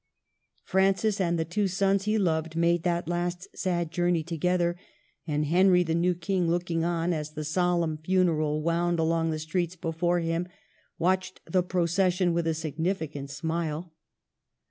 Francis and the two sons he loved made that last sad journey together; and Henry, the new King, looking on as the solemn funeral wound along the streets before him, watched the procession with a significant smile.